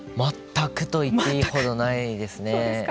全くといっていいほどないですね。